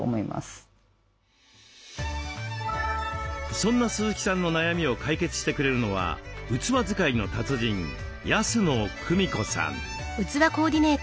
そんな鈴木さんの悩みを解決してくれるのは器使いの達人安野久美子さん。